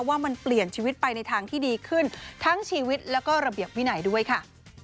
ว่ามันเปลี่ยนชีวิตไปในทางที่ดีขึ้นทั้งชีวิตแล้วก็ระเบียบวินัยด้วยค่ะ